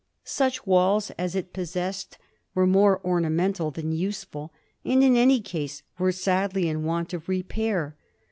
Such walls as it possessed were more ornamental than usef ul, and in any case were sadly in want of repair.